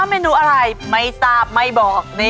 เมนูอะไรไม่ทราบไม่บอก